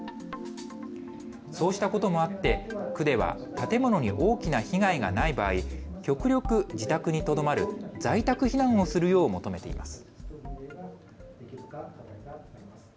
そうしたこともあって区では建物に大きな被害がない場合、極力自宅にとどまる在宅避難をするよう求めています。